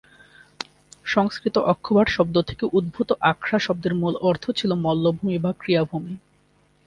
সংস্কৃত ‘অক্ষবাট’ শব্দ থেকে উদ্ভূত আখড়া শব্দের মূল অর্থ ছিল মল্লভূমি বা ক্রীড়াভূমি।